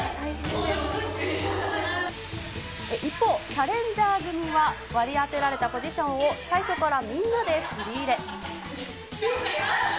一方、チャレンジャー組は割り当てられたポジションを最初からみんなで振り入れ。